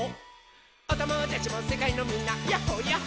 「おともだちもせかいのみんなやっほやっほ」